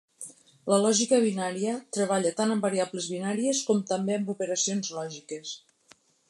La lògica binària treballa tant amb variables binàries com també amb operacions lògiques.